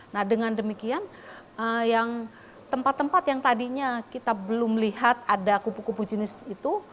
nah dengan demikian tempat tempat yang tadinya kita belum lihat ada kupu kupu jenis itu